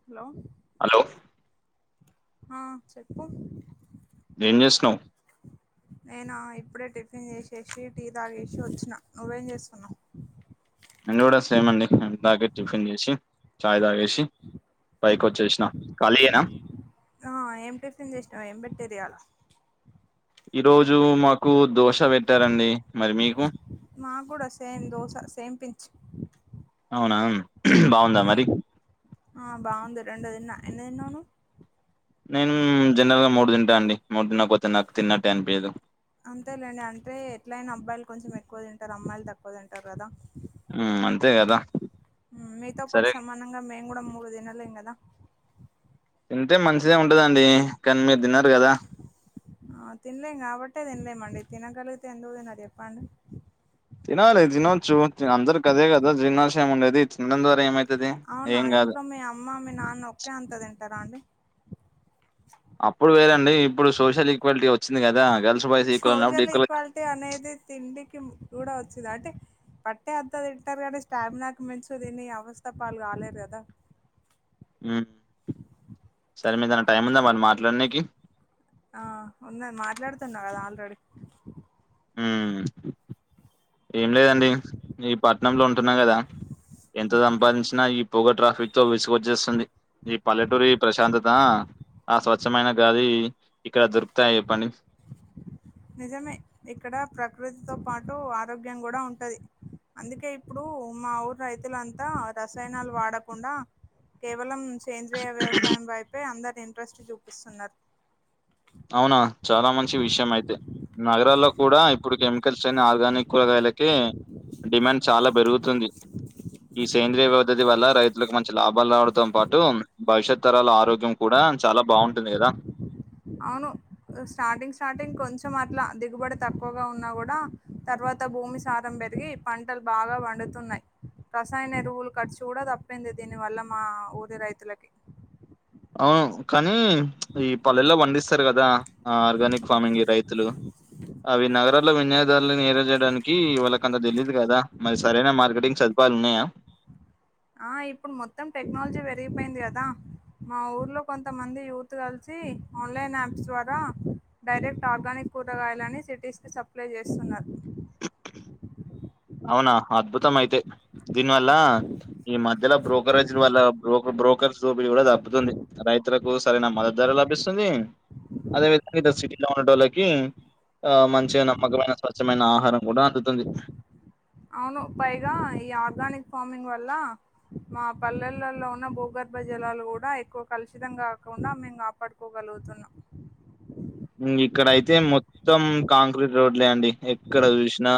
Hello hello ఆ చెప్పు. ఎం జేసినవ్. నేనా ఇప్పుడే టిఫిన్ చేసేసి టీ తాగేసి వొచ్చినా నువ్వేం చజెసున్నావు. నేను గూడ సేమ్ అండి ఇంతాకే టిఫిన్ జెశి. చాయ్ దాగేశి పైకొచ్చేసిన ఖాళీయేనా. ఆ ఏం టిఫసిన్ జేసినవ్ ఏం బేటీన్ ర్రియాలా. ఈ రోజు మాకు దోశ వెట్టారండి మరి మీకు. మా కూడా సేమ్ దోశ సేమ్ పించు. అవునా. బాగుందా మరి ఆ బాగుంది రెండుదిన్నా ఎన్ని దిన్నవు నువ్వు. నేన్ జనరల్ గా మూడు తింటా అండి మూడు తినక పొతే నాకు తిన్నట్టే అనిపియ్యదు. అంతేలేండి అంటే ఎట్ల అయినా అబ్బాయిలు కొంచెం ఎక్కొ తింటారు అమ్మాయిలు తక్కొ తింటారు గదా. ఉమ్ అంతే గదా. ఉ మీతో పాటు సమానంగా మేము కూడా మూడు దినలేేం గదా. తింటే మంచిదే ఉంటదండి కానీ మీరు తిన. ఆ తిన్లేమ్ గాబ. మట్టే తినల్లే మండి తినగలుగుతే ఎందుకు దినరు చెప్పండి. తినాలె తినొచ్చు తే అందరు గదే గదా జిర్ణషయం ఉండేది తినడం ద్వారా ఏమై. అవునా ఇంట్లో మీ అమ్మ మీ నాన్న ఒకే అంత తింటారా అండి. అప్పుడు వేరండి ఇప్పుడు సోషల్ ఈక్వాలిటీ వచ్చింది గదా గన్. సోజల్ ఈక్వాలిటీ అనేది తిండికి కూడా అచ్చింది వచ్చిది అంటే పట్టే అంతా తింటరు గాని స్టామినాకి మించి తిని అవస్థ పాలు కాలేరు కదా సరే మీదన్న టైం ఉందా మరి మాట్లాడానికి ఆ ఉన్నది మాట్లాడుతన్నా కదా ఆల్రెడీ ఉమ్ ఏం లేదండి చెప్ ఈ పట్నంలో ఉంటున్నా కదా ఎంత సంపాదించినా ఈ పొగ ట్రాఫిక్ తో విసుగు వచ్చేస్తుంది ఈ పల్లెటూరి ప్రశాంతత ఆ స్వచ్ఛమైన గాలి ఇక్కడ దొరుకుతాయ చెప్పండి నిజమే ఇక్కడ ప్రకృతితో పాటు ఆరోగ్యం కూడా ఉంటది అందుకే ఇప్పుడు మా ఊరు రైతులంతా రసాయనాలు వాడకుండా కేవలం సేంద్రీయ వ్యవసాయం వైపే అందరి ఇంట్రెస్ట్ చూపిస్తున్నారు అవునా చాలా మంచి విషయం అయితే నగరాల్లో కూడా ఇప్పుడు కెమికల్స్ లేని ఆర్గానిక్ కూరగాయలకే డిమాండ్ చాలా పెరుగుతుంది ఈ సేంద్రీయ పద్ధతి వల్ల రైతులకు మంచి లాభాలు రావడంతో పాటు భవిష్యత్ తరాల ఆరోగ్యం కూడా చాలా బాగుంటుంది కదా అవును స్టార్టింగ్ స్టార్టింగ్ కొంచెం అట్లా దిగుబడి తక్కువగా ఉన్నా కూడా తర్వాత భూమి సారం పెరిగి పంటలు బాగా పండుతున్నాయి రసాయన ఎరువులు ఖర్చు కూడా తప్పింది దీని వల్ల మా ఊరి రైతులకి అవును కానీ ఈ పల్లెల్లో పండిస్తారు కదా ఆ ఆర్గానిక్ ఫార్మింగ్ రైతులు అవి నగరాల్లో వినియోగదారు చేయడానికి వాళ్ళకి అంత తెలీదు కదా మరి సరైన మార్కెటింగ్ సదుపాయాలు ఉన్నాయా ఆ ఇప్పుడు మొత్తం టెక్నాలజీ పెరిగిపోయింది కదా మా ఊర్లో కొంతమంది యూత్ కలిసి ఆన్లైన్ యాప్స్ ద్వారా డైరెక్ట్ ఆర్గానిక్ కూరగాయలని సిటీస్కి సప్లై చేస్తున్నారు అవునా అద్భుతం అయితే దీనివల్ల ఈ మధ్యలో బ్రోకరేజ్ వల్ల బ్రోక బ్రో బ్రోకర్స్ దోపిడీ కూడా తప్పుతుంది రైతులకు సరైన మద్దతు ధర లభిస్తుంది అదేవిధంగా ఇట్లా సిటీలో ఉండేటోళ్ళకి ఆ మంచిగా నమ్మకమైన స్వచ్ఛమైన ఆహారం కూడా అందుతుంది అవును పైగా ఈ ఆర్గానిక్ ఫార్మింగ్ వల్ల మా పల్లెలలో ఉన్న భూగర్భ జలాలు కూడా ఎక్కువ కలుషితం కాకుండా మేము కాపాడుకోగలు తున్నాం [inaudible] ఇక్కడయితే మొత్తం కాంక్రీట్ రోడ్లే అండి ఎక్కడ చూసినా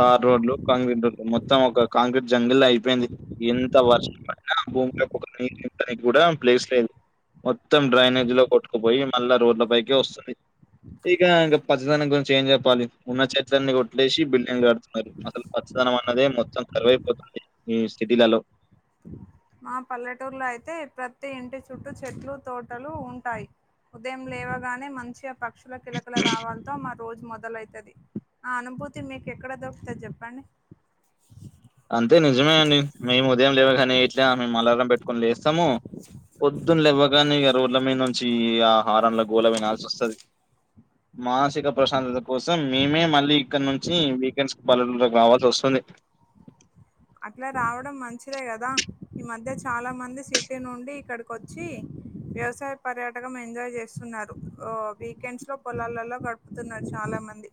తార్ రోడ్లు కాంక్రీట్ రోడ్లు మొత్తం ఒక కాంక్రీట్ జంగల్ అయిపోయింది ఎంత వర్షం పడ్డా భూమిలోకి నీళ్లు ఇనుకనీకి కూడా ప్లేస్ లేదు మొత్తం డ్రైనేజ్ లో కొట్టుకుపోయి మళ్ళా రోడ్లపైకే వస్తుంది ఇగా పచ్చదనం గురించి ఏం చెప్పాలి ఉన్న చెట్లన్నీ కొట్టలేసి బిల్డింగ్ కడుతున్నారు అసలు పచ్చదనం అన్నదే మొత్తం కరువైపోతుంది ఈ సిటీలలో మా పల్లెటూరులో అయితే ప్రతి ఇంటి చుట్టూ చెట్లు తోటలు ఉంటాయి ఉదయం లేవగానే మంచిగా పక్షుల కిలకిల రావాలతో రోజు మొదలైతది ఆ అనుభూతి మీకు ఎక్కడ దొరుకుతంది చెప్పండి అంతే నిజమే అండి మేము ఉదయం లేవగానే ఇట్లా మేము అలారం పెట్టుకని లేస్తాము పొద్దున్న లెవ్వగానే ఇగా రోడ్ల మీద నుంచి ఆ హారండ్ల గోళ వినాల్సి వస్తది మానసిక ప్రశాంతత కోసం మేమే మళ్ళీ ఇక్కడ నుంచి వీకెండ్స్ పల్లెటూర్లలోకి రావాల్సి వస్తుంది [inaudible] అట్ల రావడం మంచిదే గదా ఈ మధ్య చాలా మంది సిటీ నుండి ఇక్కడకొచ్చి వ్యవసాయ పర్యాటకం ఎంజాయ్ జేస్తున్నారు ఓ వీకెండ్స్ లో పొలాలలో గడుపుతున్నారు చాలా మంది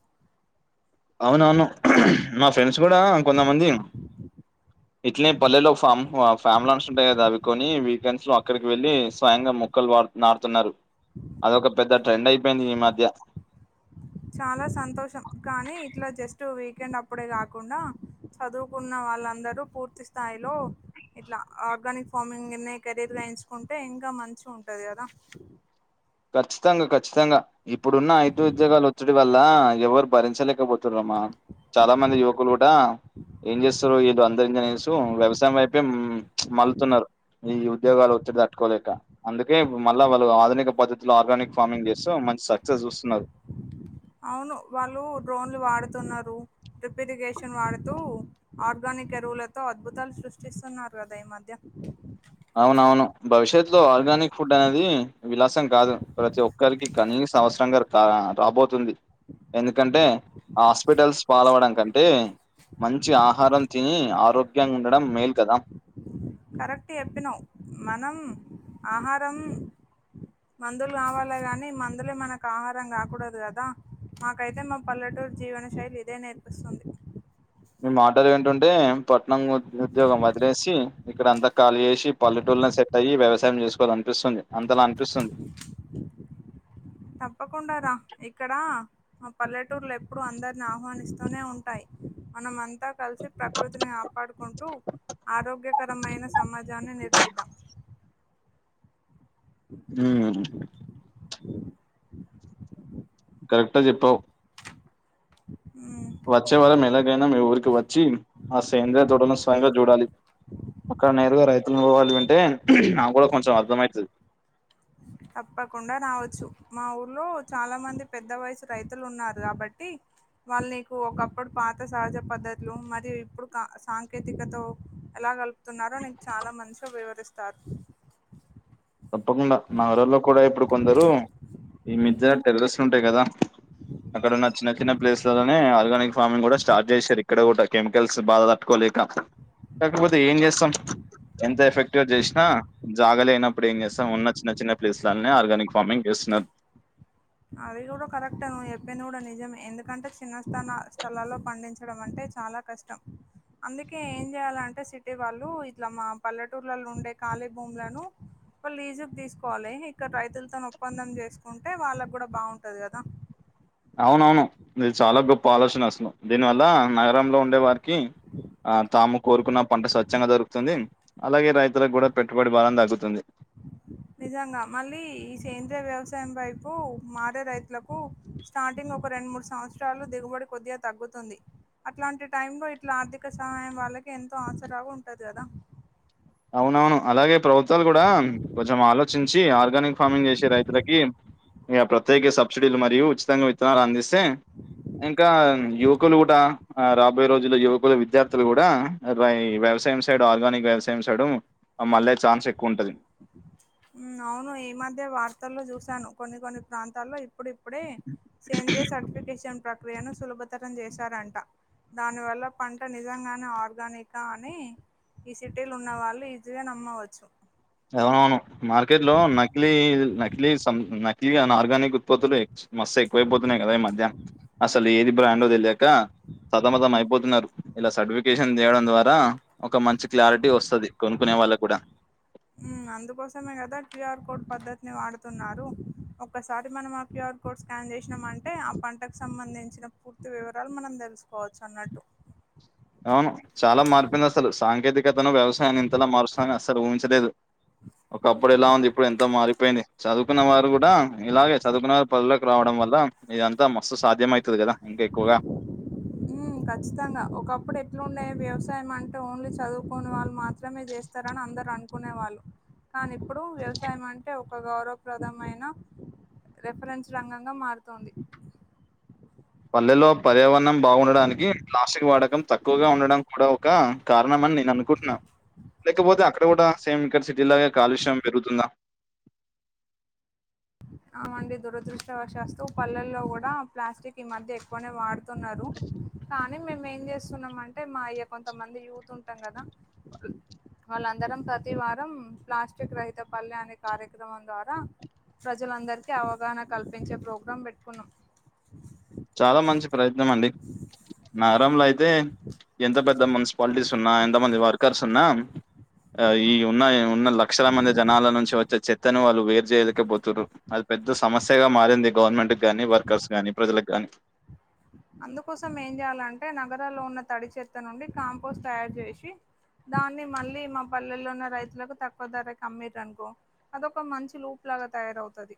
అవునవును నా ఫ్రెండ్సు గుడా కొంతమంది ఇట్లనే పల్లెల్లో ఫామ్ ఫ్యామ్లాన్స్ ఉంటాయ్ గదా అవి కొని వీకెండ్స్ లో అక్కడికి వెళ్ళ స్వయంగా మొక్కలు వాడు నారుతున్నారు అదొక పెద్ద ట్రెండైపెయింది ఈ మధ్య చాలా సంతోషం కానీ ఇట్ల జస్ట్ వీకెండ్ అప్పుడే కాకుండా చదువుకున్న వాళ్ళందరూ పూర్తి స్థాయిలో ఇట్లా ఆర్గానిక్ ఫార్మింగ్ నె కెరీర్ గా ఎయించుకుంటే ఇంకా మంచి ఉంటది గదా ఖచ్చితంగా ఖచ్చితంగా ఇప్పుడున్న ఐటు ఉద్యోగాలు వొత్తిడి వ ల్ల ఎవ్వరు భరించలేకబొతుర్రమ్మ చాలా మంది యువకులు గుడా ఏం జెస్తర్రో ఏదో అం అనేసు వ్యవసాయం వైపే మల్లుతున్నారు ఈ ఉద్యోగాలు వొత్తిడి దట్టుకోలేక అందుకే ఇబు మళ్ళా వాళ్ళు ఆధునిక పద్ధతిలో ఆర్గానిక్ ఫార్మింగ్ జేస్తూ మంచి సక్సెస్ జూస్తున్నారు అవును వాళ్ళు డ్రోన్లు వాడుతున్నారు డ్రిప్పిగేషన్ వాడుతూ ఆర్గా నిక ఎరువులతో అద్భుతాలు సృష్టిస్తున్నారు గదా ఈ మధ్య అవునవును భవిష్యత్ లో ఆర్గానిక్ ఫుడ్ అనేది విలాసం కాదు ప్రతి ఒక్కరికి కనీసం అవసరంగర్ రాబోతుంది ఎందుకంటే ఆస్పిటల్స్ పాాలవడం కంటే మంచి ఆహారం తిని ఆరోగ్యంగా ఉండడం మేల్ కదా కరెక్ట్ ఎప్పినావ్ మనం ఆహారం మందులు గావాలే గాని మందులే మనకు ఆహారం గాకూడదు గదా మాకైతే మా పల్లెటూరి జీవన శైలి ఇదే నేర్పిస్తుంది మీ మాటలు వింటుంటే ప ట్నం ఉద్యోగం వదిలేసి ఇక్కడంతా కాళీ జేసి పల్లెటూళ్ళోనే సెట్టయ్యి వ్యవసాయం జేస్ కోళ్ళ అనిపిస్తుంది అంతలా అనిపిస్తుంది తప్పకుండా రా ఇక్కడా మా పల్లెటూర్లు ఎప్పుడూ అందరిని ఆహ్వానిస్తూనే ఉంటాయ్ మనంమంతా కలిసి ప్రకృతిని ఆ కాపాడుకుంటూ ఆరోగ్యకరమైన సమాజాన్ని నిర్మిద్దాం ఊమ్ కరెక్టే జెప్పావ్ ఉ వచ్చే వారం ఎలాగైనా మీ ఊరికి వొచ్చి ఆ సేంద్రయ తోటను స్వయంగా జూడాలి అక్కడ నేరుగా రైతులు బోవాలి అంటే నాగ్గుడ కొంచెం అర్ధంమైతది తప్పకుండా రావచ్చు మా ఊర్లో చాలా మంది పెద్ద వయసు రైతులు ఉన్నారు గాబట్టి వాళ్ళు నీకు ఒకప్పుడు పాత సహజ పద్ధతులు మరియు ఇప్పుడు క సాంకేతికతొ ఎలా గల్ ప్తున్నారో నీకు చాలా మంచిగి వివరిస్తారు తప్పకుండా నగరాల్లో కూడా ఇప్పుడు కొందరు ఈ మిజ్య టెరరస్సుంటాయ్ గదా అక్కడున్న చిన్న చిన్న ప్లేస్లలోనే ఆర్గానిక్ ఫార్మింగ్ కూడా స్టార్ట్ జేశారు ఇక్కడ గుడా కెమికల్స్ బాదా దట్టుకోలే కి కాకపోతే ఏం జేస్తాం ఎంత ఎఫెక్టివ్ గా జేసినా జాగాలేన ప్పుడు ఏం జేస్తాం ఉన్న చిన్న చిన్న ప్లేస్లన్నే ఆర్గానిక్ ఫార్మింగ్ జేస్తున్నారు అది గుడా కరెక్టే నువ్వు జెప్పింది కూడా నిజమే ఎందుకంటే చిన్న స్తాన స్థలాల్లో పండించడం అంటే చాలా కష్టం అందుకే ఏం చేయ్యాలంటే సిటీ వాళ్ళు ఇట్లా మా పల్లెటూర్లలో ఉండే ఖాళీ భూములను ఇ లీజ్ కు తీసుకోవాలి ఇక్కడ రైతులతో ఒప్పందం చేసుకుంటే వాళ్ళకు కూడా బాగుంటది కదా అవునవును ఇది చాలా గొప్ప ఆలోచన అసలు దీనివల్ల నగరంలో ఉండే వారికి ఆ తాము కోరుకున్న పంట స్వచ్ఛంగా దొరుకుతుంది అలాగే రైతులకు కూడా పెట్టుబడి బలం తగ్గుతుంది నిజంగా మళ్ళీ ఈ సేంద్రయ వ్యవసాయం వైపు మాడే రైతులకు స్టార్టింగ్ ఒక రెండు మూడు సంవత్సరాలు దిగుబడి కొద్దిగా తగ్గుతుంది అట్లాంటి టైము లో ఇట్లా ఆర్థిక సహాయం వాళ్ళకి ఎంతో ఆసరాగా ఉంటది కదా అవునవును అలాగే ప్రభుత్వాలు కూడా కొంచెం ఆలోచించి ఆర్గానిక్ ఫార్మింగ్ చేసే రైతులకి ఇక ప్రత్యేక సబ్సిడీలు మరియు ఉచితంగా విత్తనాలు అందిస్తే ఇంకా యువకులు కూడా ఆ రాబోయే రోజుల్లో యువకులు విద్యార్థులు కూడా రాయ్ వ్యవసాయం సైడు ఆర్గానిక్ వ్యవసాయం సైడు మళ్ళే ఛాన్స్ ఎక్కువ ఉంటది అవును ఈ మధ్య వార్తల్లో చూసాను కొన్ని కొన్ని ప్రాంతాల్లో ఇప్పుడు ఇప్పుడే సేంద్రియ సర్టిఫికేషన్ ప్రక్రియను సులభతరం చేశారంట దానివల్ల పంట నిజంగానే ఆర్గానికా అని ఈ సిటీల ఉన్న వాళ్ళు ఈజీగా నమ్మవచ్చు అమనవును మార్కెట్ లో నకిలీ నకిలీ సం నకిలీ ఆర్గానిక్ ఉత్పత్తులు మస్తు ఎక్కువైపోతున్నాయి కదా ఈ మధ్య అసలు ఏది బ్రాండ్ తెలియక సతమతం అయిపోతున్నారు ఇలా సర్టిఫికేషన్ చేయడం ద్వారా ఒక మంచి క్లారిటీ వస్తది కొనుకునే వాళ్ళకి కూడా ఉమ్ అందుకోసమే కదా క్యూఆర్ కోడ్ పద్ద్దతిని వాడుతున్నారు ఒక్కసారి మనం ఆ క్యూఆర్ కోడ్ స్కాన్ చేసినాం అంటే ఆ పంటకు సంబంధించిన పూర్తి వివరాలు మనం తెలుసు అవును చాలా మారిపెంది అసలు సాంకేతిక వేతను వ్యవసాయాన్ని ఇంతలా మారుస్తుని అస్సలు ఊహించలేదు ఒకప్పుడు ఎలా ఉంది ఇప్పుడు ఎంతో మారిపోయింది చదువుకున్న వారు కూడా ఇలాగే చదువుకున్న వారు పల్లోకి రావడం వల్ల ఇదంతా మస్తు సాధ్యమవుతది కదా ఇంకా ఎక్కువగా ఉమ్ ఖచ్చితంగా ఒకప్పుడు ఎట్ల ఉండే వ్యవసాయం అంటే ఓన్లీ చదువుకోని వాళ్ళు మాత్రమే చేస్తార అని అందరు అనుకునే వాళ్ళు కానీ ఇప్పుడు వ్యవసాయం అంటే ఒక గౌరవప్రదమైన రెఫరెన్స్ రంగంగా మారుతోంది పల్లెలో పర్యావరణం బాగుండడానికి ప్లాస్టిక్ వాడకం తక్కువగా ఉండడం కూడా ఒక కారణంమని నేను అనుకుంటున్నా లేకపోతే అక్కడ కూడా సేమ్ ఇక్కడ సిటీ లాగా కాలుష్యం పెరుగుతుందా ఆ మండి దురదృష్టవ శాస్తూ పల్లెల్లో కూడా ప్లాస్టిక్ ఈ మధ్య ఎక్కువనే వాడుత తున్నారు కానీ మేము ఏం చేస్తున్నాం అంటే మా ఇయ కొంత మంది యూత్ టామ్ గాదా వాళ్ళందరం ప్రతి వారం ప్లాస్టిక్ రహిత పల్లె అనే కార్యక్రమం ద్వారా ప్రజలందరికీ అవగాహన కల్పించే ప్రోగ్రాం పెట్టుకున్నాం చాలా మంచి ప్రయత్నం అండి నగరంలో అయితే ఎంత పెద్ద మున్సిపాలిటీస్ ఉన్నా ఎంత మంది వర్కర్స్ ఉన్నా ఆ ఈ ఉన్న ఉన్న లక్షల మంది జనాల నుంచి వచ్చే చెత్తను వాళ్ళు వేరు చేయలేక పోతురు పెద్ద సమస్యగా మారింది గవర్నమెంట్కి కానీ వర్కర్స్ కానీ ప్రజలకు కానీ అందుకోసం ఏం చేయాలంటే నగరాల్లో ఉన్న తడి చెత్త నుండి కాంపోస్ట్ తయారు చేసి దాన్ని మళ్ళీ మా పల్లెల్లో ఉన్న రైతులకు తక్కువ ధరకు అమ్మిలు అనుకో అదొక మంచి లోపు గా తయార అవుతది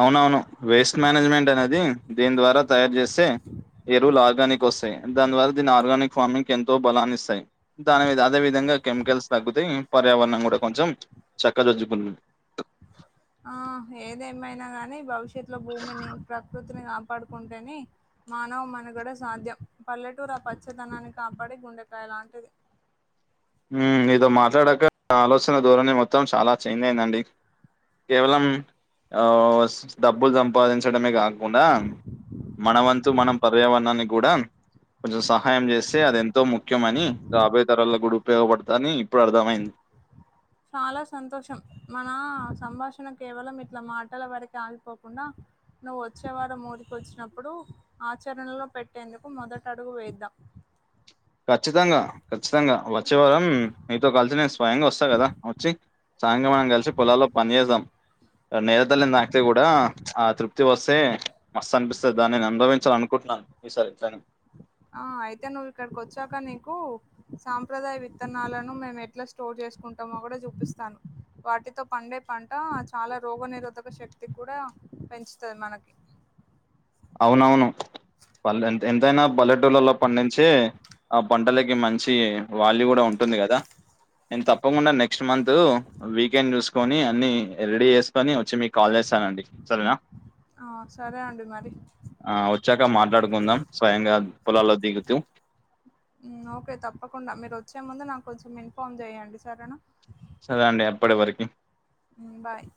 అవునవును. వేస్ట్ మేనేజ్మెంట్ అనేది దీని ద్వారా తయారు చేస్తే ఎరువులు ఆర్గానిక్ వస్తాయి దాని ద్వారా దీని ఆర్గానిక్ ఫార్మింగ్ ఎంతో బలాన్ని ఇస్తాయి దాని అదే విధంగా కెమికల్స్ తగ్గుతాయి పర్యావరణం కూడా కొంచెం చక్కదిద్దుకుంటుంది ఆ ఏదేమైనా గాని భవిష్యత్తులో భూమిని ప్రకృతిని కాపాడుకుంటేనే మానవ మనుగడ సాధ్యం పల్లెటూరు ఆ పచ్చదనాన్ని కాపాడి గుండెకాయలు అలాంటిది ఉ నీతో మాట్లాడాక ఆలోచన ధోరణి మొత్తం చాలా చేంజ్ అయిందండి కేవలం ఆ డబ్బులు సంపాదించడమే కాకుండా మన వంతు మనం పర్యావరణానికి కూడా కొంచెం సహాయం చేస్తే అది ఎంతో ముఖ్యమని రాబోయే తరాల ఉపయోగపడతా అని ఇప్పుడు అర్థమైంది చాలా సంతోషం మన సంభాషణ కేవలం ఇట్లా మాటల వరకు ఆగిపోకుండా నువ్వు వచ్చే వారం ఊరికి వచ్చినప్పుడు ఆచరణలో పెట్టేందుకు మొదట అడుగు వేద్దాం చ్ ఖచ్చితంగా ఖచ్చితంగా వచ్చే వారం నీతో కలిసి నేను స్వయంగా వస్తా కదా వచ్చి సాయంకాలం మనం కలిసి పొలాల్లో పనిచేద్దాం నేల తల్లిని దాకతే కూడా ఆ తృప్తి వస్తే మస్తు అనిపిస్తుంది దానిని అనుభవించాలి అనుకుంటున సారీ ఇట్లనే ఆ అయితే నువ్వు ఇక్కడికి వచ్చాక నీకు సాంప్రదాయ విత్తనాలను మేము ఎట్లా స్టోర్ చేసుకుంటామో కూడా చూపిస్తాను వాటితో పండే పంట చాలా రోగ నిరోధక శక్తి కూడా పెంచుతది మనకి అవునవును ఎంతైనా పల్లెటూళ్లలో పండించి ఆ పంటలకు మంచి వాల్యూ కూడా ఉంటుంది కదా నేను తప్పకుండా నెక్స్ట్ మంత్ వీకెండ్ చూసుకొని అన్ని రెడీ చేసుకుని వచ్చి మీ కాల్ చేస్తానండి సరేనా ఆ సరే అండి మరి ఆ వచ్చాక మాట్లాడుకుందాం స్వయంగా పొలాల్లో దిగుతూ ఓకే తప్పకుండా మీరు వచ్చే ముందు నాకు కొంచెం ఇన్ఫార్మ్ చెయ్యండి సరేనా సరే అండి అప్పటి వరకి ఉమ్, బాయ్